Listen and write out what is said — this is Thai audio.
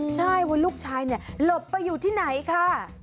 ใช่ว่าลูกชายหลบไปอยู่ที่ไหนค่ะ